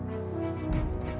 aku harus melayanginya dengan baik